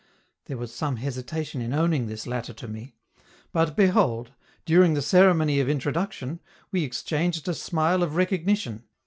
There was some hesitation in owning this latter to me; but, behold! during the ceremony of introduction, we exchanged a smile of recognition.